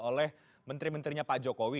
oleh menteri menterinya pak jokowi